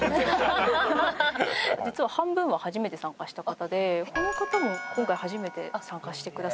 実は半分は初めて参加した方でこの方も今回初めて参加してくださって。